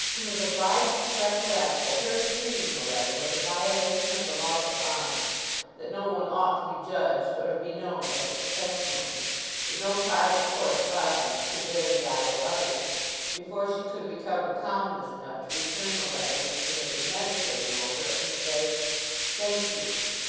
She was obliged to recollect that her seeing the letter was a violation of the laws of honour, that no one ought to be judged or to be known by such testimonies, that no private correspondence could bear the eye of others, before she could recover calmness enough to return the letter which she had been meditating over, and say— "Thank you.